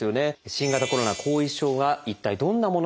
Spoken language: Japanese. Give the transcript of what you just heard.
新型コロナ後遺症は一体どんなものなのか？